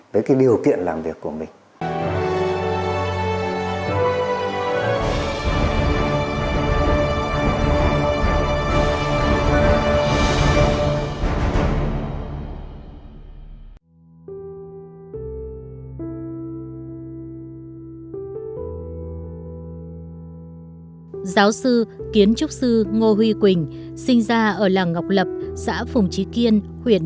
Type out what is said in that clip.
với cái sức sáng tạo của mình